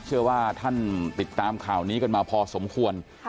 เชื่อว่าท่านติดตามข่าวนี้กันมาพอสมควร